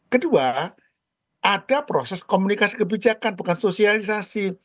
kedua ada proses komunikasi kebijakan bukan sosialisasi